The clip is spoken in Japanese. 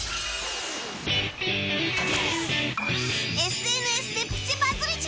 ＳＮＳ でプチバズり中！